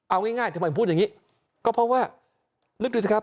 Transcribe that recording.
เอาง่ายทำไมพูดอย่างนี้ก็เพราะว่านึกดูสิครับ